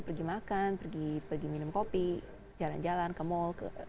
pergi makan pergi pergi minum kopi jalan jalan ke mall